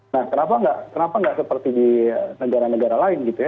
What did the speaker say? nah kenapa nggak seperti di negara negara lain gitu ya